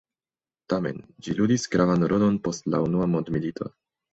Tamen, ĝi ludis gravan rolon post la Unua Mondmilito.